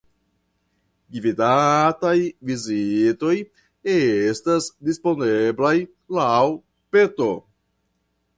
Gvidataj vizitoj estas disponeblaj laŭ peto.